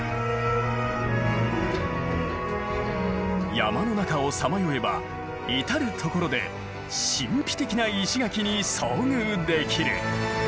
山の中をさまよえば至る所で神秘的な石垣に遭遇できる。